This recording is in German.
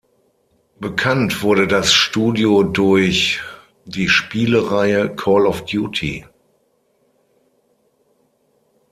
Bekannt wurde das Studio durch die Spielereihe "Call of Duty".